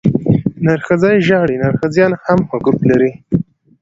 نرښځی ژاړي، نرښځيان هم حقوق لري.